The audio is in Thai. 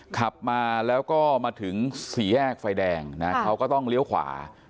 ขับมาแล้วก็มาถึงสี่แยกไฟแดงนะเขาก็ต้องเลี้ยวขวา